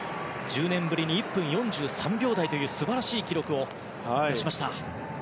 １０年ぶりに１分４３秒台という素晴らしい記録を出しました。